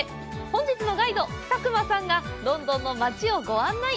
本日のガイド、佐久間さんがロンドンの街をご案内！